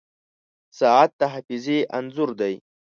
• ساعت د حافظې انځور دی.